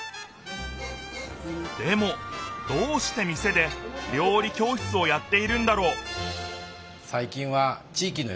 でもどうして店で料理教室をやっているんだろう？